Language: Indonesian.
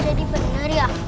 oh jadi bener ya